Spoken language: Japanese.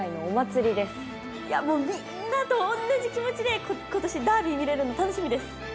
いやみんなと同じ気持ちで今年ダービー見れるの楽しみです。